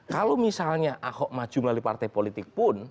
kalau misalnya ahok maju melalui partai politik pun